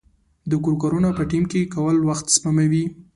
د کور کارونه په ټیم کې کول وخت سپموي.